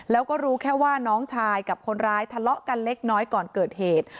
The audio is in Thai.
แล้วก็รู้แค่ว่าน้องชายกับคนร้ายทะเลาะกันเล็กน้อยก่อนเกิดเหตุ